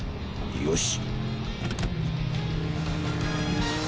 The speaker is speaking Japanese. よし！